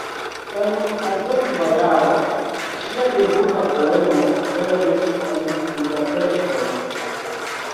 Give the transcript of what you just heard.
En la sekva jaro ŝia debuta poemo aperis en Budapeŝto.